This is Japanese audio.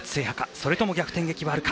それとも逆転劇はあるか。